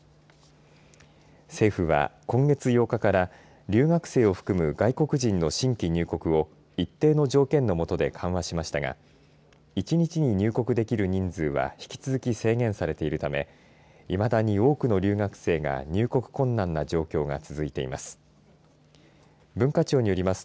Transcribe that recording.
政府は今月８日から留学生を含む外国人の新規入国を一定の条件の下で緩和しましたが１日に入国できる人数は引き続き制限されているためいまだに多くの留学生が入国困難な状況が続いています。